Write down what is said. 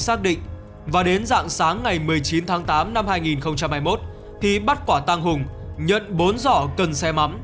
xác định và đến dạng sáng ngày một mươi chín tháng tám năm hai nghìn hai mươi một thì bắt quả tăng hùng nhận bốn giỏ cần xe mắm